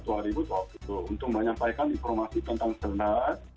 untuk menyampaikan informasi tentang sernas